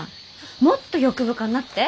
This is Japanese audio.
もっと欲深になって！